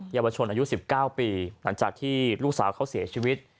เยาวชนอายุ๑๙ปีหลังจากที่ลูกสาวเขาเสียชีวิต